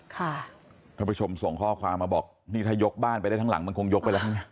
ท่านผู้ชมส่งข้อความมาบอกนี่ถ้ายกบ้านไปได้ทั้งหลังมันคงยกไปแล้วไง